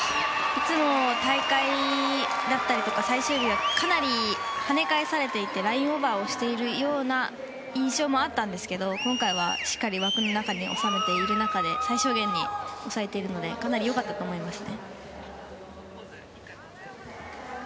いつも大会だったりとか最終日はかなりはね返されていてラインオーバーをしているような印象もあったんですけど今回はしっかりと枠の中で最小限に抑えているのでかなり良かったと思います。